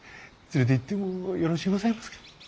連れていってもよろしゅうございますか？